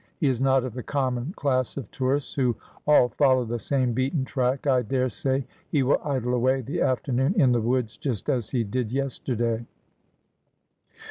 He is not of the common class of tourists, who all follow the same beaten track. I daresay he will idle away the afternoon in the woods, just as he did yesterday.'